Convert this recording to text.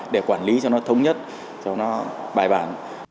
để quản lý cho nó thống nhất cho nó bài bản